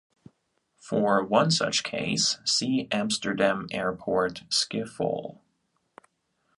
For one such case, see Amsterdam Airport Schiphol.